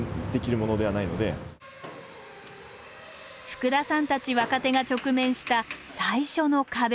福田さんたち若手が直面した最初の壁。